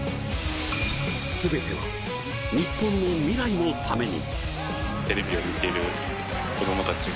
全ては日本の未来のために。